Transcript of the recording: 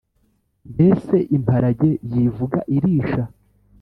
mbese imparage yivuga irisha’